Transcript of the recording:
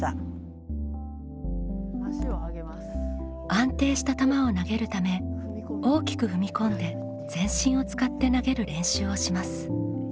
安定した球を投げるため大きく踏み込んで全身を使って投げる練習をします。